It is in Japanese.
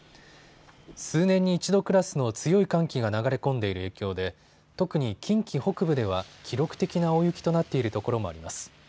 数年に一度クラスの強い寒気が流れ込んでいる影響で特に近畿北部では記録的な大雪となっているところもあります。